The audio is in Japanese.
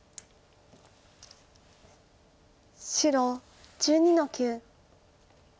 白１２の九。